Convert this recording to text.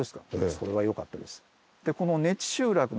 それはよかったです。